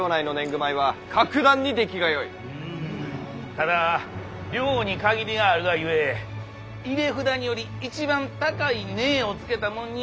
ただ量に限りがあるがゆえ入札により一番高い値をつけたものに売ることにした。